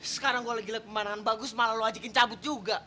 sekarang gue lagi lihat pemandangan bagus malah lo ajakin cabut juga